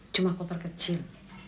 cuma koper kecil